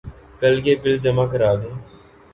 کل یہ بل جمع کرادیں